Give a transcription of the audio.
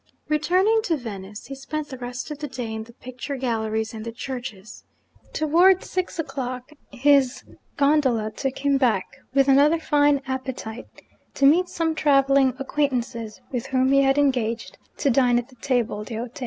Returning to Venice, he spent the rest of the day in the picture galleries and the churches. Towards six o'clock his gondola took him back, with another fine appetite, to meet some travelling acquaintances with whom he had engaged to dine at the table d'hote.